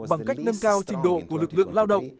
bằng cách nâng cao trình độ của lực lượng lao động